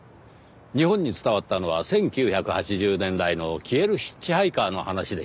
日本に伝わったのは１９８０年代の消えるヒッチハイカーの話でしたねぇ。